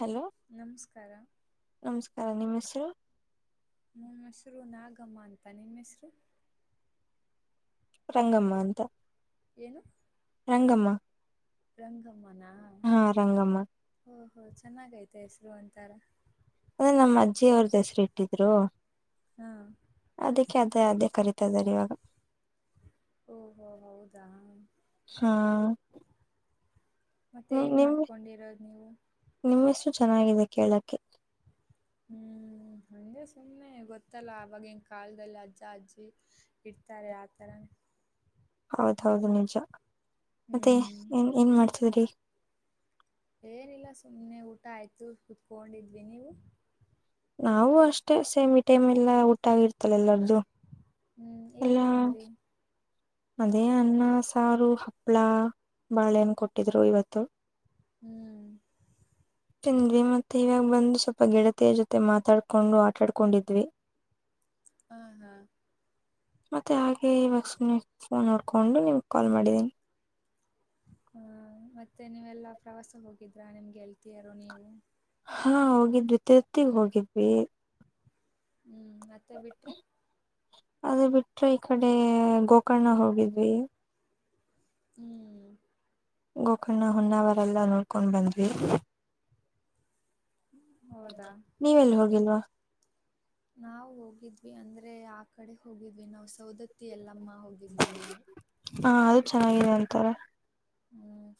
Hello ನಮಸ್ಕಾರ ಹ ನಿಮ್ಮ ಹೆಸರು ನಮ್ಮ ಹೆಸರು ನಾಗಮ್ಮ ಅಂತನಿಮ್ಮ್ ಹೆಸರು ರಂಗಮ್ಮ ಅಂತ ಏನು ರಂಗಮ್ಮ ರಂಗಮ್ಮನ ಹಾ ರಂಗಮ್ಮ ಓಹೋ ಚೆನ್ನಾಗೈತೆ ಹೆಸರು ಒಂತರ ಅದೇ ನಮ್ಮ ಅಜ್ಜಿ ಅವ್ರ ಹೆಸರು ಇಟ್ಟಿದ್ರು ಹಾ ಅದೇ ಅದಕ್ಕೆ ಅದೇ ಕರಿ ಓಹೋ ಹೌದಾ ಹಾ ಮತ್ತೆ ಏನ್ ನಿಮ್ ಮಾಡ್ಕೊಂಡಿರೋದು ನೀವು ನಿಮ್ ಹೆಸರು ಚೆನ್ನಾಗಿದೆ ಕೇಳಕ್ಕೆ ಹು ಹಂಗೆ ಸುಮ್ಮನೆ ಗೊತ್ತಲ್ಲ ಅವಾಗಿನ ಕಾಲದಲ್ಲಿ ಅಜ್ಜ ಅಜ್ಜಿ ಇಡ್ತಾರೆ ಆತರನೆ ಹೌದ ಹೌದ ನಿಜ ಹ್ಞೂ ಮತ್ತೆ ಏನ್ ಏನ್ ಮಾಡ್ತಿದ್ರಿ ಏನಿಲ್ಲ ಸುಮ್ಮನೆ ಊಟ ಆಯ್ತು ಕುತ್ಕೊಂಡಿದ್ವಿ ನೀವು ನಾವವು ಅಷ್ಟೇ ಸೇಮ ಇ ಟೈಮ್ ಎಲ್ಲ ಊಟಾಗಿರ್ತಲ್ಲ ಎಲ್ಲಾರ್ದು ಹು ಏನ್ ಎಲ್ಲಾ ತಿಂದ್ರಿ ಅದೇ ಅನ್ನ ಸಾರು ಹಪ್ಳ ಬಾಳೆಹಣ್ಣು ಕೊಟ್ಟಿದ್ರು ಇವತ್ತು. ಹು ತಿಂದ್ವಿ ಮತ್ತೆ ಇವಾಗ ಬಂದು ಸ್ವಲ್ಪ ಗೆಳತಿಯ ಜೊತೆ ಮಾತಾಡ್ಕೊಂಡು ಆಟಾಡ್ಕೊಂಡಿದ್ವಿ ಹಾ ಹಾ ಮತ್ತೆ ಹಾಗೆ ಇವಾಗ ಫೋನ್ ನೋಡ್ಕೊಂಡು ನಿಮ್ಗೆ ಕಾಲ್ ಮಾಡಿದ್ದೀನಿ ಹ್ಮ ಮತ್ತೆ ನೀವೆಲ್ಲಾ ಪ್ರವಾಸ ಹೋಗಿದ್ರಾ ನಿಮ್ಮ ಗೆಳತಿಯರು ನೀವು ಹಾ ಹೋಗಿದ್ವಿ ತಿರುಪತಿಗೆ ಹೋಗಿದ್ವಿ ಹಾ ಮತ್ತೆ ಬಿಟ್ಟ ಅದ ಬಿಟ್ರೆ ಈ ಕಡೆ ಗೋಕರ್ಣ ಹೋಗಿದ್ವಿ ಹು ಗೋಕರ್ಣ ಹೊನ್ನಾವರ ಎಲ್ಲ ನೋಡ್ಕೊಂಡ್ ಬಂದ್ವಿ ಹೌದಾ ನೀವೆಲ್ಲಿ ಹೋಗಿಲ್ವಾ ನಾವು ಹೋಗಿದ್ವಿ ಅಂದ್ರೆ ಆ ಕಡೆ ಹೋಗಿದ್ವಿ ನಾವು ಸೌದತ್ತಿ ಎಲ್ಲಮ್ಮ ಹಾ ಹೋಗಿದ್ವಿ ನಾವು ಹಾ ಅದು ಚೆನ್ನಾಗಿದೆ ಅಂತಾರೆ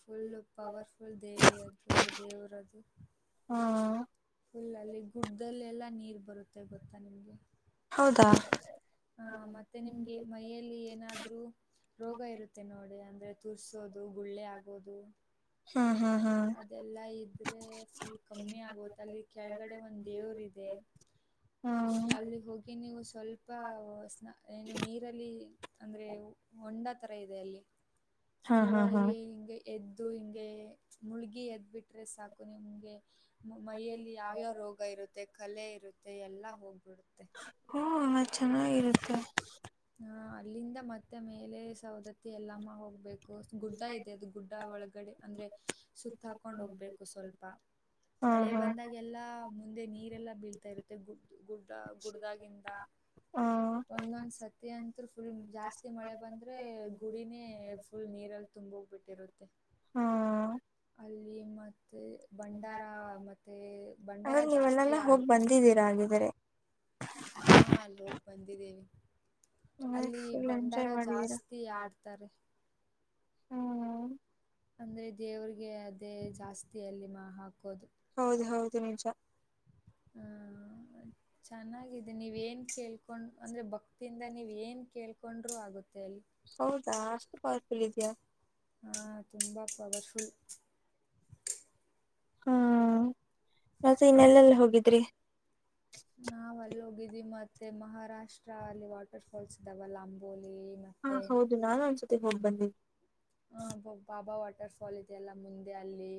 ಫುಲ್ ಪವರ್ ಫುಲ್ ದೇವಿ ಅದರು ದೇವರಾದ್ರು ಹಾ ಫುಲ್ಲಲ್ಲಿ ಗುಡ್ಡ್ದಲ್ಲೆಲ್ಲ ನೀರು ಬರುತ್ತೆ ಗೊತ್ತಾ ನಿಮಗೆ ಹೌದಾ ಹ ಮತ್ತೆ ನಿಮಗೆ ಮೈಯಲ್ಲಿ ಏನಾದ್ರು ರೋಗ ಇರುತ್ತೆ ನೋಡಿ ಅ ಅಂದ್ರೆ ತುರ್ಸೋದು ಗುಳ್ಳೆ ಆಗೋದು ಹಾ ಅದೆಲ್ಲಾ ಇದ್ರೆ ಫುಲ್ ಕಮ್ಮಿ ಆಗುತ್ತೆ ಅಲ್ಲಿ ಕೆಳಗಡೆ ಒಂದು ದೇವರು ಇದೆ ಹ್ಮ್ ಅಲ್ಲಿ ಹೋಗಿ ನೀವು ಸ್ವಲ್ಪ ಏನು ನೀರಲ್ಲಿ ಅಂದ್ರೆ ಹೊಂಡ ಯಾವ ತರ ಇದೆ ಅಲ್ಲಿ ಹಾ ನೀವು ಹಾ ಹಾ ಅಲ್ಲಿ ಹಿಂಗೆ ಎದ್ದು ಹಿಂಗೆ ಮುಳುಗಿ ಎದ್ದುಬಿಟ್ಟರೆ ಸಾಕು ನಿಮಗೆ ಮೈಯಲ್ಲಿ ಯಾವ್ಯಾವ ರೋಗ ಇರುತ್ತೆ ಕಲೆ ಮತ್ತೆ ಎಲ್ಲಾ ಹೋಗ ತ್ತ ಹಾ ಚೆನ್ನಾಗಿರುತ್ತೆ ಹ ಅಲ್ಲಿಂದ ಮತ್ತೆ ಮೇಲೆ ಸೌದತ್ತಿ ಎಲ್ಲಮ್ಮ ಹೋಗ್ಬೇಕು ಗುಡ್ಡ ಇದೆ ಅದು ಗುಡ್ಡ ಒಳಗಡೆ ಅಂದ್ರೆ ಸುತ್ತಾಕೊಂಡು ಹೋಗ್ಬೇಕು ಸ್ವಲ್ಪ ಹಾ ಮಳೆ ಹಾ ಬಂದಾಗ ಎಲ್ಲಾ ಮುಂದೆ ನೀರೆಲ್ಲ ಬೀಳ್ತಾ ಇರುತ್ತೆ ಗುಡ್ಡ ಗುಡ್ದಾಗಿಂದ ಹಾ ಒಂದೊಂದ್ ಸತಿ ಮಧ್ಯಾಹ್ನಂತು ಫುಲ್ ಜಾಸ್ತಿ ಮಳೆ ಬಂದ್ರೆ ಗುಡಿನೇ ಫುಲ್ ನೀರಲ್ಲಿ ತುಂಬಿಹೋಗಿರುತ್ತೆ ಹ ಅಲ್ಲಿ ಮತ್ತು ಅಲ್ಲಿ ಭಂಡಾರ ಹಂಗಾದ್ರೆ ಮತ್ತೆ ಭಂಡಾರ ಜಾಸ್ತಿ ನೀವೆಲ್ಲೆಲ್ಲಾ ಹೋಗ್ ಆಡ್ತಾರೆ ಬಂದಿದ್ದೀರಾ ಹಾಗಿದ್ರೆ ಹಾ ಅಲ್ಲಿ ಹೋಗಿ ಬಂದಿದ್ದೇವಿ ಹಂಗಾದ್ರೆ ಅಲ್ಲಿ ಫುಲ್ ಭಂಡಾರ ಎಂಜಾಯ್ ಮಾಡಿದೀರಾ ಜಾಸ್ತಿ ಆಡ್ತಾರೆ ಹ್ಮ್ ಅಂದ್ರೆ ದೇವ್ರಿಗೆ ಅದೇ ಜಾಸ್ತಿ ಅಲ್ಲಿ ಮಾ ಹಾಕೋದು ಹೌದು ಹೌದು ನಿಜಾ ಹಾ ಚೆನ್ನಾಗಿದೆ ನೀವು ಏನ್ ಕೇಳ್ಕೊಂಡ್ರು ಅಂದ್ರೆ ಭಕ್ತಿಯಿಂದ ನೀವು ಏನ್ ಕೇಳ್ಕೊಂಡ್ರರು ಆಗುತ್ತೆ ಅಲ್ಲಿ ಹೌದಾ ಅಷ್ಟು ಪವರ್ಫುಲ್ ಇದೆಯಾ ಹಾ ತುಂಬಾ ಪಬರ್ಫುಲ್ ಹ್ಮ ಮಸೆ ಇನ್ನೆಲ್ಲೆಲ್ಲ ಹೋಗಿದ್ರಿ ನಾವು ಅಲ್ಲಿ ಹೋಗಿದ್ವಿ ಮತ್ತು ಮಹಾರಾಷ್ಟ್ರ ಅಲ್ಲಿ ವಾಟರ್ ಫಾಲ್ಸ್ ಇದ್ದಾವ ಲಾಂಬೋಲ್ ಹಾ ಹೌದು ನಾನು ಒಂದಸತಿ ಹೋಗ್ ಬಂದಿದ್ದಿ ಹ ಬಾಬಾ ವಾಟರ್ ಫಾಲ್ ಇೆಯಲ್ಲ ಮುಂದೆ ಅಲ್ಲಿ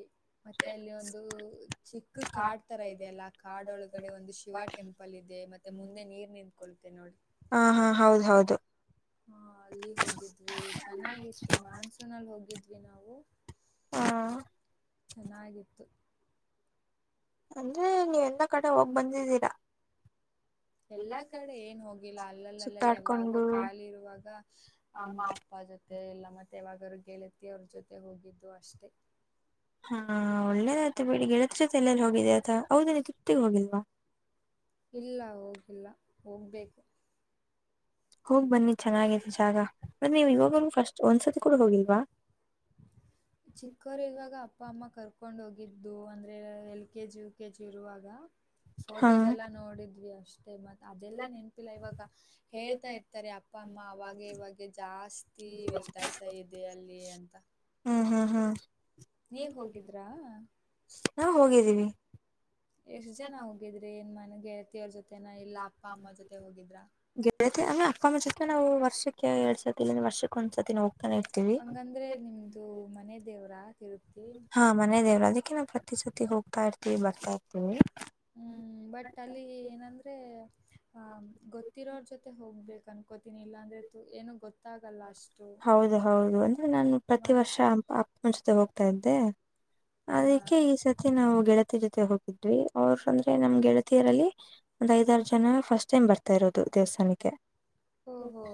ಮತ್ತೆ ಅಲ್ಲಿ ಒಂದು ಚಿಕ್ಕ ಕಾಡ್ ತರ ಇದೆಯ ಅಲ್ಲ ಆ ಕಾಡ್ ಒಳಗಡೆ ಒಂದು ಶಿವ ಟೆಂಪಲ್ ಇದೆ ಮತ್ತೆ ಮುಂದೆ ನೀರ್ ನಿತ್ಕೊಳ್ಳುತ್ತೆ ನೋಡ್ರಿ ಹಾ ಹಾ ಹೌದ್ ಹೌದು ಬಿನವು ಹ ಚೆನ್ನಾಗಿತ್ತು ಅಂದ್ರೆ ನೀವೆ ಎಲ್ಲ ಕಡೆ ಹೋಗ್ ಬಂದಿದ್ದೀರಾ ಎಲ್ಲಾ ಕಡೆ ಏನ್ ಹೋಗಿಲ್ಲ ಅಲ್ಲಲ್ಲಿ ಅಲ್ಲಲ್ಲ ಯಾವಾಗೂ ಸುತ್ತಾಡ್ಕೊಂಡು ಖಾಲಿ ಇರುವಾಗ ಅಮ್ಮ ಅಪ್ಪ ಜೊತೆ ಎಲ್ಲ ಮತ್ತೆ ವಾಗರು ಗೆಳತಿಯ ಅವ್ರ ಜೊತೆ ಹೋಗಿದ್ದು ಅಷ್ಟೇ ಹಾ ಒಳ್ಳೇದಾಯ್ತು ಬಿಡಿ ಗೆಳತ್ ಜತೆ ಎಲ್ಲೆಲ್ಲಿ ಹೋಗಿದ್ದೆ ಆತ ಹೌದ ನೀ ತುಟ್ಟಿಗೆ ಹೋಗಿಲ್ವಾ ಇಲ್ಲ ಹೋಗಿಲ್ಲ ಹೋಗ್ಬೇಕು ಹೋಗ್ ಬನ್ನಿ ಚೆನ್ನಾಗತ್ತು ಜಾಗ ಮೆ ನೀವ್ ಇವಾಗೂ ಫಸ್ಟ್ ಒಂದ್ಸತಿ ಕೂಡ ಹೋಗಿಲ್ವಾ ಚಿಕ್ಕವರು ಇವಾಗ ಅಪ್ಪ ಅಮ್ಮ ಕರ್ಕೊಂಡ ಕಕೊಂಡ್ ಹೋಗಿದ್ದು ಅಂದ್ರೆ L K G U K G ಇರುವಾಗ ಹಾ ಫೋಟೋಸ್ ಎಲ್ಲ ನೋಡಿದ್ವಿ ಅಷ್ಟೆ ಇಷ್ಟೇ ಮತ್ತು ಅದೆಲ್ಲಾ ನೆನಪಿಲ್ಲ ಇವಾಗ ಹೇಳ್ತಾ ಇರ್ತಾರೆ ಅಪ್ಪ ಅಮ್ಮ ಅವಾಗೆ ಇವಾಗ ಜಾಸ್ತಿ ವ್ಯತ್ಯಾಸ ಇದೆ ಅಲ್ಲಿ ಅಂತ ಹಾ ನೀವ್ ಹೋಗಿದ್ರಾ ನಾವ್ ಹೋಗಿದ್ದೀವಿ ಎಷ್ಟ್ ಜನ ಹೋಗಿದ್ರಿ ಏನ್ ಮನೆ ಯ ಜೊತೆನ ಇಲ್ಲ ಅಪ್ಪ ಅಮ್ಮ ಜೊತೆ ಹೋಗಿದ್ರ ಗೆಳತಿ ಅಮ್ಮ ಜೊತೆ ನಾವು ವರ್ಷಕ್ಕೆ ಎರಡ್ ಸರ್ತಿ ಇಲ್ಲಿಂದ ವರ್ಷಕ್ಕೆ ಒಂದ್ಸತಿ ನ ಹಂಗಂದ್ರೆ ನಿಮ್ದು ಮನೆದ ದೇವರಾಗ ಹಾ ಮನೆ ದೇವ್ರು ಅದಕ್ಕೆ ಯಾಕೆ ನಾವು ಪ್ರತಿ ಸರ್ತಿ ಹೋಗ್ತಾ ಇರ್ತಿೀವಿ ಬರ್ತಾ ಇರ್ತೀವಿ ಹ್ಮ್ ಬಟ್ ಅಲ್ಲಿ ಏನಂದ್ರೆ ಪ ಆ ಗತಿರೊತೆ ಹೋಗ್ಬೇಕು ಅನ್ಕೋತಿನನಿಲ್ಲಲ್ಲ ಅಂದ್ರೆ ಏನೋ ಗೊತ್ತ ಹೌದು ಹೌದು ಅಂದ್ರೆ ನಾನು ಪ್ರತಿ ಮತ್ ವರ್ಷ ಅ ಮುಂಚತೆ ಹೋಗ್ ಆತ್ದೆ ಹಾ ಅದಕ್ಕೆ ಈ ಸತಿ ನಾವು ಗೆಳತ ಜೊತೆ ಹೋಗಿದ್ವಿ ಅವರು ಅಂದ್ರೆ ನಮ್ಗೆ ಗೆಳತಿಯರಲ್ಲಿ ಒಂದ್ ಐದಾರು ಜನ ಫಸ್ಟ್ ಟೈಮ್ ಬರ್ತಾ ಇರೋದು ದೇವಸ್ಥಾನಕ್ಕೆ ಓಹೋ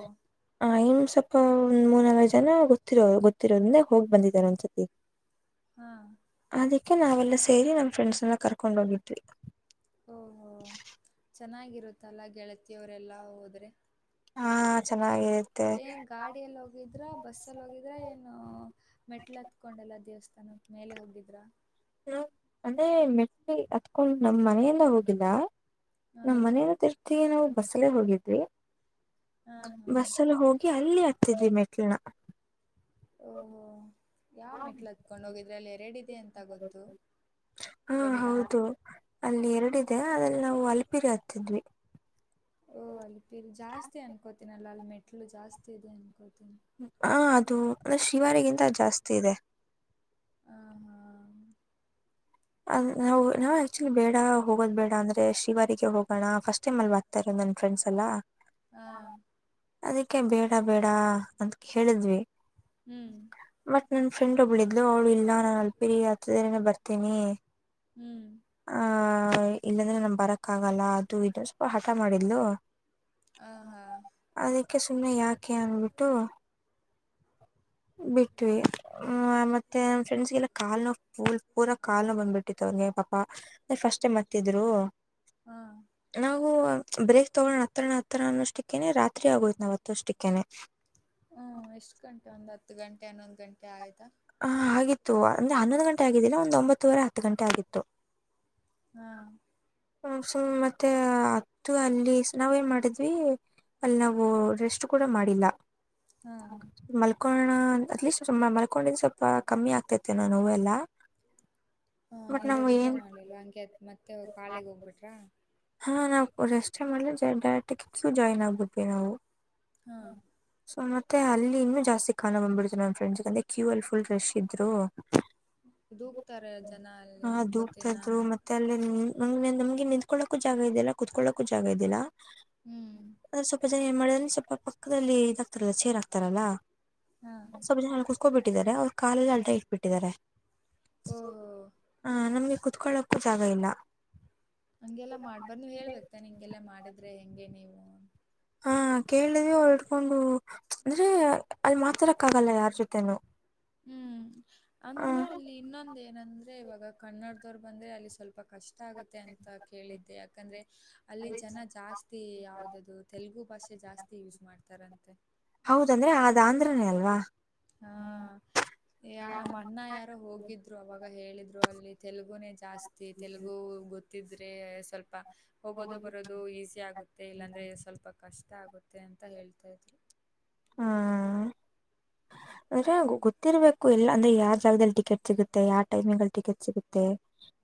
ಆಯ ಸ್ವಲ್ಪ ಒಂದ್ ಮೂರ್ನಾಲ್ಕು ಜನ ಗೊತ್ತಿರೋ ಗೊತ್ತಿರೋದ್ರಿಂದ ಹೋಗಿ ಬಂದಿದಿದ್ದಾರೆ ಒಂದ್ಸತಿ ಹಾ ಅದಕ್ಕೆ ನಾವೆಲ್ಲ ಸೇರಿ ನಮ್ಮ್ ಫ್ರೆಂಡ್ಸ್ ಎಲ್ಲ ಕರೆಕ್ ಕೊಂಡ ಹೋಗಿಿ ಓ ಹೋ ಚೆನ್ನಾಗಿರುತ್ತಲ್ಲ ಗೆಳತಿಯವರೆಲ್ಲ ಹೋದ್ರೆ ಹಾ ಚ ಏನ್ ಗಾಡಿಯಲ್ಲಿ ಹೋಗಿದ್ರ ಬಸ್ಲ್ಲಿ ಹೋಗಿದ್ರೆ ಏನು ಮೆಟ್ಲ್ ಹತ್ಕೊಂಡಲ್ಲ ದೇವಸ್ಥಾನ ತನ್ನ ಮೇಲೆ ಹೋಗಿದ್ರ ಹ ಮನೆ ಮೆಟ್ಟಿ ಹತ್ಕೊಂಡ್ ನಮ್ ಮನೆಯಲ್ಲ ಹೋಗಿಲ್ಲ ಹಾ ನಮ್ಮ್ ಮನೆ ಏನಂತೀರಾ ಜೊತೆಗೆ ನಾವು ಬಸ್ಸಲ್ಲೇ ಹೋಗಿದ್ವಿ ಹಾ ಹಾ ಬಸ್ಸಲ್ಲಿ ಹೋಗಿ ಅಲ್ಲಿ ಹತ್ತಿದ್ವಿ ಮೆಟ್ಟಿಲುನಾ ಹ ಓಹೋ ಯಾವ ಮೆಟ್ಲು ಹತ್ಕೊಂಡು ಹೋಗಿದ್ರೆ ಅಲ್ಲಿ ಎರಡಿದೆ ಅಂತ ಗೊತ್ತು ಬೆಟ್ಟ ಇದೆ ಅದ್ರಲ್ಲಿ ನಾವು ಅಲ್ಪಿರಿ ಹತ್ತಿದೆವು ಓ.. ಅಲ್ಲಿ ಜಾಸ್ತಿ ಅನ್ಕೋತಿನಲ್ಲ ಅಲ್ಲಿ ಮೆಟ್ಟಿಲು ಮೆಟ್ಟಿಲು ಜಾಸ್ತಿ ಇದೆ ಅನ್ಕೋಳ್ತೀನಿ ಹಾ ಅದು ಅಂದ್ರೆ ಶಿವಾರಿಗಿಂತ ಜಾಸ್ತಿ ಇದೆ ಹಾಂ ಹಾಂ ಅ ನಾವು ಆಕ್ಚುಲಿ ಬೇಡ ಹೋಗೋದ್ ಬೇಡ ಅಂದ್ರೆ ಶ್ರಿವಾರಿಗೆ ಹೋಗೋಣ ಫಸ್ಟ್ ಟೈಮ್ ಅಲ್ಲಿ ಬರ್ತಾ ಇರೋದು ನನ್ನ ಫ್ರೆಂಡ್ಸ್ ಎಲ್ಲಾ ಹಾ ಅದಕ್ಕೆ ಬೇಡ ಬೇಡ ಅಂತ ಕೇಳಿದ್ವಿ ಹ್ಮ್ ನನ್ನ ಫ್ರೆಂಡ್ ಒಬ್ಬಳು ಇದ್ದಳು ಅವಳು ಇಲ್ಲ ನಾನು ಅಲ್ಪಿರಿ ಹತ್ತದೇರನೇ ಬರ್ತೀನಿ ಹ್ಮ್ ಆ ಇಲ್ಲಾಂದ್ರೆ ನಮ್ ಬರಕ್ ಆಗಲ್ಲಾ ಅದು ಇದು ಸ್ವಲ್ಪ ಹಠ ಮಾಡಿದಳು ಹಾಹಾ ಯಾಕೆ ಸುಮ್ನೆ ಯಾಕೆ ಅನ್ಬಿಟ್ಟು ಬ ಮತ್ತೆ ನಮ್ಮ್ ಫ್ರೆಂಡ್ಸ್ಗೆಲ್ಲ ಕಾಲ್ ನೋ [unintelligible] ಲ್ ಪೂರಾ ಕಾಲು ಬಂದ್ಬಿಟ್ಟಿತ್ತು ಅವ್ರಿಗೆ ಪಾಪಾ ಅಂದ್ರೆ ಫಸ್ಟ್ ಮತ್ತಿದ್ರು [unintelligible] ಹಾಂ ನಾವು ಬ್ರೇಕ್ ತಗೋಣ ಹತ್ರನ ಹತ್ರ ಅನ್ನೋಷ್ಟಕ್ಕೇನೆ ರಾತ್ರಿ ಆಗೋದ್ ನಾವ್ ಹತ್ತ ಅಷ್ಟಕ್ಕೇನೆ ಹ್ಮ್ ಎಷ್ಟ್ ಗಂಟೆ ಒಂದ್ ಹತ್ತು ಗಂಟೆ ಹನ್ನೊಂದು ಗಂಟೆ ಆಯಿತಾ ಹ ಆಗಿತ್ತು ಅಂದ್ರೆ ಹನ್ನೊಂದು ಗಂಟೆ ಆಗಿದ್ದಿಲ್ಲ ಒಂದ ಒಂಬತ್ತುವರೆ ಹತ್ತು ಗಂಟೆ ಆಗಿತ್ತು ಹ್ಮ ಸು್ ಮತ್ತೆ ಅತ್ತು ಅಲ್ಲಿ ನಾವೇನ್ ಮಾಡಿದ್ವಿ ಅಲ್ಲಿ ನಾವು ರೆಸ್ಟ್ ಕೂಡ ಮಾಡಿಲ್ಲ ಹಾಂ [unintelligible] ಮಲ್ಕಣ್ಣ ಅಲಿ [unintelligible] ಸ [inaudible] ಮಕೊಂಡಿದ್ ಸ್ವಲ್ಪ ಕಮ್ಮಿ ಆಗ್ತೈತೆ ನ ನೋವ ಎಲ್ಲ ಹಾ ನೀವ್ಷ್ಟೇ ಮಾಡ್ಲಿಲ್ಲವಾ ಅಂತ್ ಮತ್ತೆ [unintelligible] ಮಾಗ ಪಾಲೆಗೆ ಹೋಗ್ಬಿಟ್ರಾ [unintelligible] ಹಾ ನಾವು ರೆಸ್ಟೇ ಮಾಡ್ಲಿ ಡೈರೆಕ್ಟಜಾಯ್ನ್ ಆಗ್ಬೀಟ [unintelligible] ನಾವು ಹಾಂ ಸನ್ನ [unintelligible] ಮತ್ತ ಅಲ್ಲಿ ಇನ್ನು ಜಾಸ್ತಿ ಕಾಣ ಬಂದಬಿಡ್ತನಮ್ಮ ಫ್ರೆಂಡ್ಸ್ ಅಂದ್ರ ಕ್ಯೂ ಅ ಫುಲ್ ರಶ್ ಇದ್ರು ದೂಕ್ತಾರೆ ಜನ ಅಲ್ಲಿ ಹಾ ಅನ್ಕೋತೀನಿ ನಾನು ದೂಕ್ತಾದ್ರು ಮತ್ತೆ ಅಲ್ಲೇ ನೀ ನಮ ನಮಗೆ ನಿ [unintelligible] ಕುತ್ಕೊಳ್ಳೋಕೂ ಜಾಗ ಇದಲ್ಲ ಕುತ್ಕೊಳ್ಳೋಕೂ ಜಾಗ ಇದಲ್ಲಿಲ್ಲ ಹ್ಞೂ ಅ್ರ ಸ್ವಲ್ಪ ಜನ ಏನ್ ಮಾಡ [unintelligible] ಸ [inaudible] ಪಕ್ಕದಲ್ಲಿ ಇದಾಗ್ತಾರಲ್ಲ ಚೇರಾ ಇರ್ತಾರಲ್ಲ ಹಾಂ ಸ ಜ ಹ [unintelligible] ಹಕೋಬಿಟ್ಟಿದ್ದಾರೆ ಅವ್ರು ಕಾಲೇಜ ಅಡ್ಡ [unintelligible] ಇಟ್ಬಿಟ್ಟಿದ್ದಾರೆ ಓಹೋ ಹ ನಮ್ಗೆ ಕುತ್ಕೊಳ್ಳಕ್ ಜಾಗ ಇಲ್ಲ ಹಂಗೆಲ್ಲಾ ಮಾಡ್ಬಾರ್ದ ನೀ ಹೇಳ್ಬೇಕತಾನ ಹಿಂಗೆಲ್ಲಾ ಮಾಡಿದ್ರೆ ಹೆಂಗೆ ನೀವು ಹಾ ಕೇಳಿದವಿ ಅವಳ್ ಇಡ್ಕೊಂಡು ಅಂದ್ರೆ ಅದು ಮಾತಡಕ್ಕ ಆಗಲ್ಲ ಯಾರ್ ಜೊತೆೇನು [unintelligible] ಹ್ಮ್ ಅಂದ್ರೆ ಅಲ್ಲಿ ಇನ್ನೊಂದ ಏನಂದ್ರೆ ಇವಾಗ ಕನ್ನಡದವ್ರು ಬಂದ್ರೆ ಅಲ್ಲಿ ಸ್ವಲ್ಪ ತುಂಬ ಕಷ್ಟ ಆಗುತ್ತೆ ಅಂತ ಕೇಳಿದ್ದೆ ಯಾಂದ್ರೆ [inaudible] ಅಲ್ಲಿ ಜನ ಜಾಸ್ತಿ ಯಾವ್ದದು ತೆಲುಗು ಭಾಷೆ ಜಾಸ್ತಿ ಯೂಸ್ ಮಾಡ್ತಾರಂತೆ ಅಂದ್ರೆ ಅದು ಆಂದ್ರನೇ ಅಲ್ವಾ. ಹಾ ಯ ನಮ್ಮಣ್ಣ ಯಾರೋ ಹೋಗಿದ್ರು ಅವಾಗ ಹೇಳಿದ್ರು ಅಲ್ಲಿ. ತೆಲುಗುನೆ ಜಾಸ್ತಿ ತೆಲುಗು ಗೊತ್ತ- ತಿದ್ರೆ. ಸ್ವಲ್ಪ ಹೋಗೋದು ಬರೋದು ಈಸಿ ಆಗುತ್ತೆ ಇಲ್ಲಂದ್ರೆ ಸ್ವಲ್ಪ ಕಷ್ಟ. ಆಗುತ್ತೆ ಅಂತ ಹೇಳ್ತಾ ಇದ್ವಿ. ಹ್ಮ. ಅಂದ್ರೆ ಗೊತ್ತಿರ್ಬೇಕು ಎಲ್ಲ ಅಂದ್ರೆ ಯಾರ್ ಜಾಗದಲ್ಲಿ ಟಿಕೆಟ್ ಸಿಗುತ್ತೆ ಯಾರ್ ಟೈಮಿಗ ಅಲ್ಲಿ ಟಿಕೆಟ್ ಸಿಗುತ್ತೆ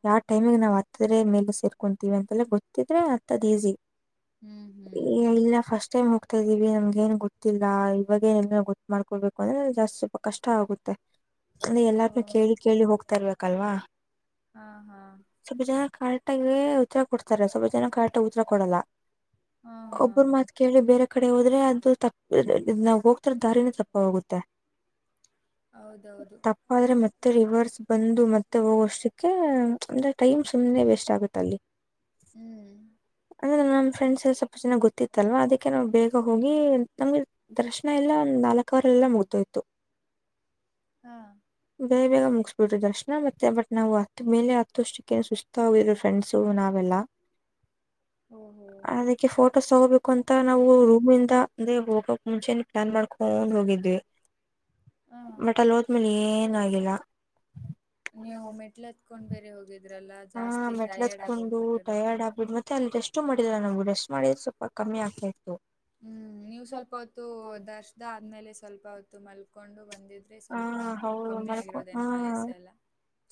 ಯಾವ ಟೈಮಿಗೆ ನಾವ್ ಹತ್ತದ್ರೆ ಮೇಲೆ ಸೇರ್ಕೊಂತೀವಿ ಅಂತೆಲ್ಲ ಗೊತ್ತಿದ್ರೆ ಹತ್ತದ್ ಈಸಿ. ಹ್ಮ್ ಏ ಹ್ಮ್ ಇಲ್ಲ ಫಸ್ಟ್ ಟೈಮ್ ಹೋಗ್ತಾ ಇದೀವಿ. ಐವಿ ನಮ್ಗ ಏನ್ ಗೊತ್ತಿಲ್ಲ ಇವಾಗ ಎಲ್ಲಾ ಗೊತ್ ಮಾಡ್ಕೊಬೇಕು. ಅಂದ್ರೆ ಜಾಸ್ತಿ ಸ್ವಲ್ಪ ಕಷ್ಟ ಆಗುತ್ತೆ. ಅಲ್ಲ ಓ ಎಲ್ಲಾರನು ಕೇಳಿ ಕೇಳಿ ಹೋಗ್ತಾರಲ್ಲ. ಕಲ್ವಾ- ಹಾ ಹಾ. ಕರೆಕ್ಟಾಗಿ ಉತ್ತರ ಕೊಡ್ತಾರೆ ಸ್ವಲ್ಪ ಜನ ಕರೆಕ್ಟಗ ಉತ್ತರ ಕೊಡಲ್ಲ. ಹಾ ಹಾ ಒಬ್ಬರ ಮಾತ್ ಕೇಳಿ ಬೇರೆ ಕಡೆ ಹೋದ್ರ. ಅದು ತ ನಾವ್ ಹೋಗ್ತ ಇರೊ ದಾರಿನ ತಪ್ಪ. ಹೋಗುತ್ತೆ. ಹೌದೌದು ತಪ್ಪಾದ್ರೆ ಮತ್ತೆ ರಿವರ್ಸ್ ಬಂದು ಮತ್ತೆ- ಹೋಗೋಷ್ಟಕ್ಕೆ ಅಂದ್ರೆ ಟೈಮ್ ಸುಮ್ನೆ ವೇಸ್ಟ್ ಆಗುತ್ತೆ ಅಲ್ಲಿ. ಹ್ಮ್. ನನ್ನ ಫ್ರೆಂಡಸ್. ಸ್ವಲ್ಪ ಜೆನ್ನಾಗಿ ಗೊತ್ತಿತ್ತಲ್ವಾ ಅದಕ್ಕೆ ನಾವು ಬೇಗ ಹೋಗಿ ನಮ್ಗೆ. ದರ್ಶನ ಎಲ್ಲ ಒಂದ್ ನಾಲ್ಕು. ಹೋವರ್ ಅಲ್ಲೆ ಮುಗ್ದೋಯ್ತು. ಹಾ ಬೇ ಬೇಗ ಮುಗಿಸಸ್ಬಿಟರು ದರ್ಶನ ಮತ್ತೆ ಬಟ್ ನಾವು ಹತ್ ಮೇಲೆ ಹತ್ತಷ್ಟಕ್ಕೇ ಸುಸ್ತ ಆದ್ರು ಫ್ರೆಂಡ್ಸು ನಾವೆಲ್ಲ. ಓಹೋ ಅದಕ್ಕೆ ಫೋಟೋಸ್ ತಗೋಬೇಕು- ಮತ್ತ ನಾವು ರೂಮಂದ ಅಂದೆ ಹೋಗ- ಮುಂಚೆನ ಪ್ಲಾನ್ ಮಾಡ್ಕೊಂಡ. ಹೋಗಿದ್ವಿ. ಹಾ ಬಟ ಅಲ್ಲೋದ ಮೇಲ್ - ಆಗಿಲ್ಲ. ನೀವು ಮೆಟ್ಲ್ ಹತ್ಕೊಂಡ್ ಬೇರೆ ಹೋಗಿದ್ರಲ್ಲ. ಹಾ ಜಾಸ್ತಿ ಟಯರ್ಡ್ ಆಗಿ ಮೆಟ್ಲತ್ಕೊಂಡು ಹೋಗ್ಬಿಟ್ಟಿರುತ್ತೆ ಟಯರ್ಡ್ ಆಗ್ಬಿಡ್ ಮತ್ತೆ ಅಲ್- ಎಷ್ಟು ಮಾಡಿದಿಲ್ಲ ನಮ್ಗೆ ರೆಸ್ಟ್ ಮಾಡಿದ ಸ್ವಲ್ಪ ಕಮ್ಮಿ ಆಗ್ತಾ ಇತ್ತು. ಹ್ಮ್ ನೀವು್ ಸ್ವಲ್ಪ ಹೊತ್ತು ದರ್ಶದ ಆದ್ಮೇಲೆ ಸ್ವಲ್ಪ ಹೊತ್ತು ಮಲ್ಕೊಂಡು ಬಂದಿದ್ರೆ ಹಾ ಸ್ವಲ್ಪ ಹೌದು ಕಮ್ಮಿ ಮಕೊಂಡ ಆಗಿರೋದೇನೋ ಆಯಾಸ ಎಲ್ಲ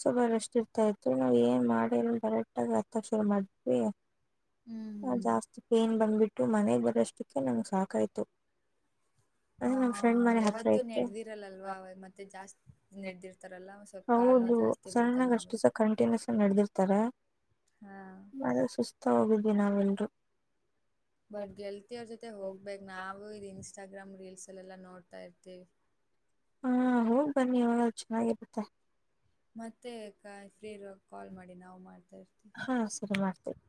ಸ್ವಲ್ಪ ರಷ್ಟ ಇರ್ತ ಇತಿ ನಾವ್ ಏನ್ ಮಾಡಿರ ಬರೆಕ್ಟಾಗಿ ಹತ್ತಕ್ಷರ ಮಾಡಿದ್ವಿ ಹ್ಮ್ ಹ್ಮ್ ಜಾಸ್ತಿ ಪೇನ್ ಬಂದ್ಬಿಟ್ಟ ಮನೆಗೆ ಬರಷ್ಟಕ್ಕೆ ನಂಗೆ ಸಾಕಾಯ್ತು ಅದೇ ಆ ನಮ್ ಫ್ರೆಂಡ್ ಮನೆ ಹತ್ರ ಯಾವತ್ತೂ ಇದೆ ನಡೆದಿರಲ್ಲಲ್ವಾ ಮತ್ತೆ ಜಾಸ್ತಿ ನೆಡೆದಿರ್ತಾರಲ್ಲ ಸ್ವಲ್ಪ ಕಾಲುನೋ ಹೌದು ಜಾಸ್ತಿ ಬಂದಂಗ ಆಗುತ್ತೆ ತ್ತರ ಹಾ ಹಾಗ ಸುಸ್ ಹೋಗಿದ್ವಿ ನಾವೆಲ್ರು ಬಟ್ ಗೆಳತಿಯರ ಜೊತೆ ಹೋಗ್ಬೇಕೇಕ್ ನಾವು ಇ ಇನ್ಸ್ಟಾಗ ಗ್ರಾಮ್ ರೀಲ್ಸ್ಲ್ಲೆಲ್ಲ ನೋಡ್ತಾ ಇರ್ತೀವಿ ಹಾ ಹೋಗ್ ಬನ್ನಿ ಅವಳ ಚೆನ್ನಾಗಿರುತ್ತೆ ಮತ್ತೆ ಫ್ರೀ ಇರುವ ಕಾಲ್ ಮಾಡಿ ನಾವು ಮಾಡ ಹಾ ಸರಿ ಮಾಡ್ತೀವಿ